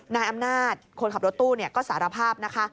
นายอำนาจคนขับรถตู้ก็สารภาพนะคะ